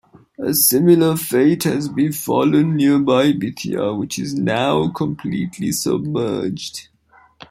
A similar fate has befallen nearby Bithia, which is now completely submerged.